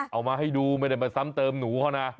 เอามาให้ดูไม่ได้มาซ้ำเติมหนูเขานะ